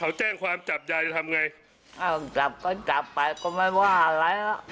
อ้าวจับก็จับไปก็ไม่ว่าอะไร